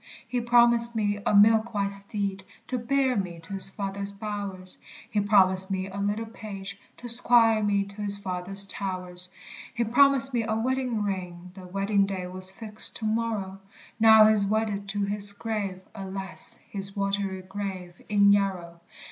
He promised me a milk white steed, To bear me to his father's bowers; He promised me a little page, To 'squire me to his father's towers; He promised me a wedding ring, The wedding day was fixed to morrow; Now he is wedded to his grave, Alas, his watery grave, in Yarrow!